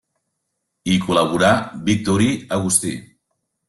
Hi col·laborà Victorí Agustí.